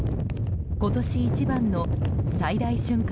今年一番の最大瞬間